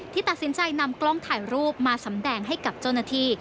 ตัดสินใจนำกล้องถ่ายรูปมาสำแดงให้กับเจ้าหน้าที่